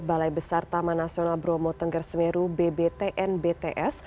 balai besar taman nasional bromo tengger semeru bbtn bts